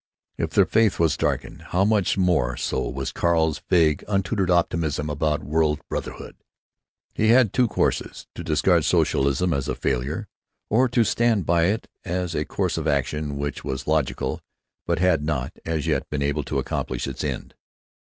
If their faith was darkened, how much more so was Carl's vague untutored optimism about world brotherhood. He had two courses—to discard socialism as a failure, or to stand by it as a course of action which was logical but had not, as yet, been able to accomplish its end.